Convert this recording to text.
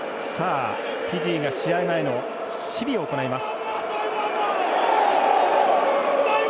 フィジーが試合前のシビを行います。